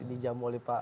di jam oleh pak sb